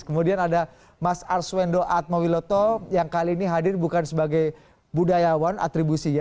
kemudian ada mas arswendo atmawiloto yang kali ini hadir bukan sebagai budayawan atribusi ya